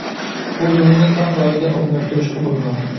بۇ ئويۇننى كەڭ دائىرىدە ئومۇملاشتۇرۇشقا بولىدۇ.